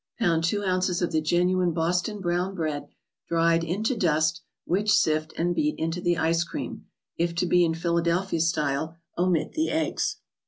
Pound two ounces of the genuine Boston Brown Bread, dried, into dust, which sift, and beat into the ice cream. If to be in Phila¬ delphia style, omit the eggs.